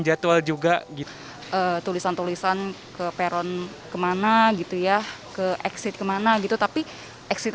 jadwal juga gitu tulisan tulisan ke peron kemana gitu ya ke exit kemana gitu tapi exit